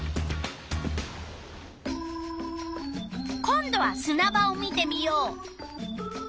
今度はすな場を見てみよう。